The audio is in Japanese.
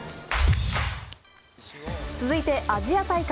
続いてアジア大会。